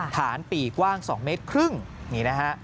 ฐานปี่กว้าง๒๕เมตรนี่นะฮะ